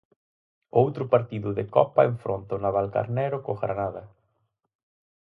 O outro partido de Copa enfronta o Navalcarnero co Granada.